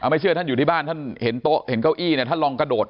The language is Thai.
ไม่เชื่อท่านอยู่ที่บ้านท่านเห็นโต๊ะเห็นเก้าอี้เนี่ยท่านลองกระโดด